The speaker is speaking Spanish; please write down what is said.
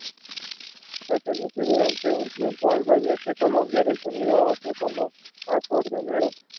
Perteneció durante un tiempo al Ballet de Colombia de Sonia Osorio, como acordeonero.